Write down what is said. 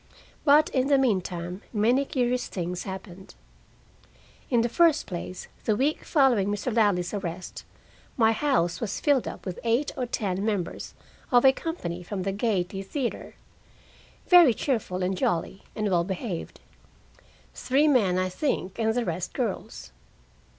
But in the meantime, many curious things happened. In the first place, the week following Mr. Ladley's arrest my house was filled up with eight or ten members of a company from the Gaiety Theater, very cheerful and jolly, and well behaved. Three men, I think, and the rest girls.